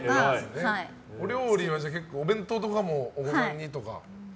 お料理は結構お弁当とかもお子さんにとか？